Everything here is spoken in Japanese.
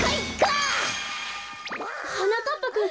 はなかっぱくん。